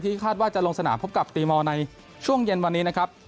คาดว่าจะลงสนามพบกับตีมอลในช่วงเย็นวันนี้นะครับ